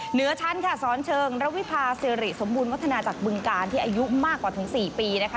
เหนือชั้นค่ะสอนเชิงระวิพาสิริสมบูรณวัฒนาจากบึงการที่อายุมากกว่าถึง๔ปีนะคะ